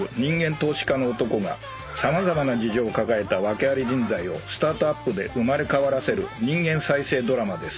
投資家の男が様々な事情を抱えた訳あり人材をスタートアップで生まれ変わらせる人間再生ドラマです」